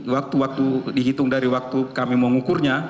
waktu waktu dihitung dari waktu kami mau ngukurnya